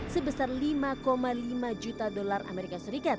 sebesar lima lima juta dolar as